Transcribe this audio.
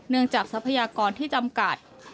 จากทรัพยากรที่จำกัด